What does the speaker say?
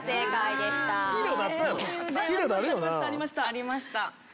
ありました。